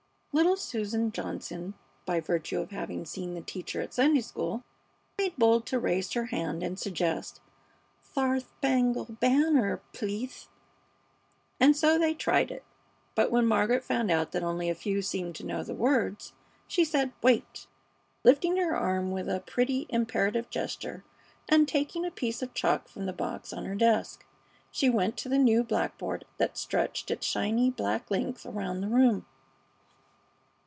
Little Susan Johnson, by virtue of having seen the teacher at Sunday school, made bold to raise her hand and suggest, "Thar thpangle Banner, pleath!" And so they tried it; but when Margaret found that only a few seemed to know the words, she said, "Wait!" Lifting her arm with a pretty, imperative gesture, and taking a piece of chalk from the box on her desk, she went to the new blackboard that stretched its shining black length around the room.